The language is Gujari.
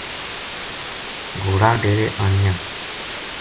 گھوڑا ڈیرے آنیا ں